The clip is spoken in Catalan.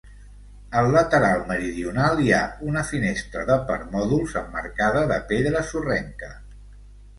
Al lateral meridional hi ha una finestra de permòdols emmarcada de pedra sorrenca.